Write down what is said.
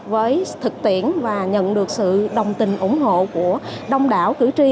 với thực tiễn và nhận được sự đồng tình ủng hộ của đông đảo cử tri